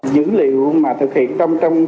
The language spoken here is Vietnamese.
dữ liệu mà thực hiện trong tài liệu